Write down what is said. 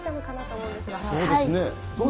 そうですね。